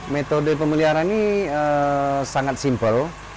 metode pemeliharaan ini sangat simpel